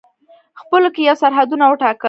خپلو کې یې سرحدونه وټاکل.